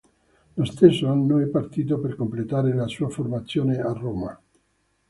Lo stesso anno, è partito per completare la sua formazione a Roma.